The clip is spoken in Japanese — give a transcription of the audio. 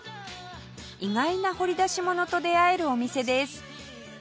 意外な掘り出し物と出会えるお店です